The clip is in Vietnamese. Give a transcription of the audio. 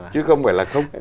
chứ không phải là không